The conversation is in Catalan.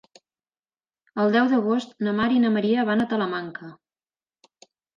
El deu d'agost na Mar i na Maria van a Talamanca.